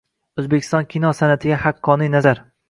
O‘zbekiston kino san’atiga haqqoniy nazar